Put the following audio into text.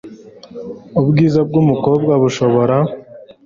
ubwiza bwumukobwa bushobora